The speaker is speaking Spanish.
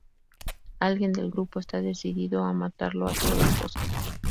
Alguien del grupo está decidido a matarlo a toda costa.